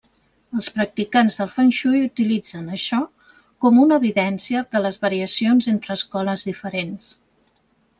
Els practicants del fengshui utilitzen això com una evidència de les variacions entre escoles diferents.